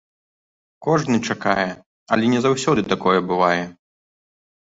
Кожны чакае, але не заўсёды такое бывае.